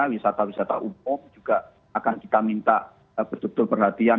wisata wisata umum juga akan kita minta betul betul perhatian